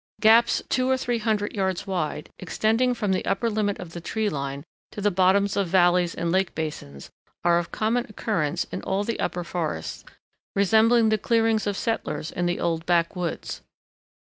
Gaps two or three hundred yards wide, extending from the upper limit of the tree line to the bottoms of valleys and lake basins, are of common occurrence in all the upper forests, resembling the clearings of settlers in the old backwoods.